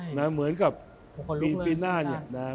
ใช่น่ะเหมือนกับโอ้โหคนลุกเลยปีหน้าเนี้ยน่ะ